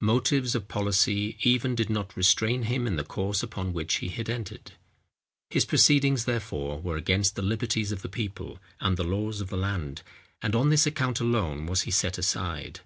Motives of policy even did not restrain him in the course upon which he had entered. His proceedings, therefore, were against the liberties of the people, and the laws of the land; and on this account alone was he set aside.